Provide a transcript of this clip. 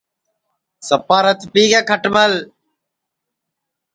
سپا رت پِیگے کھٹمݪ